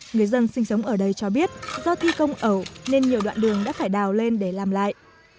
người dân sinh sống ở đây cho biết do thi công ẩu nên nhiều đoạn đường đã phải đào lên để làm lại